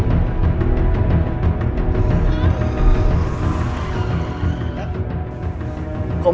aku sudah sandiul beneran